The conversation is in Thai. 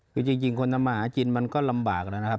คือจริงคนทำมาหากินมันก็ลำบากแล้วนะครับ